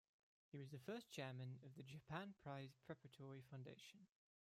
He was the first chairman of the Japan Prize Preparatory Foundation.